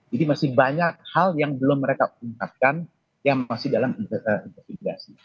jadi masih banyak hal yang belum mereka ingatkan yang masih dalam investigasi